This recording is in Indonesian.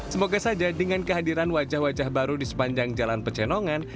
semoga saja dengan kehadiran wajah wajah baru di sepanjang jalan pecenongan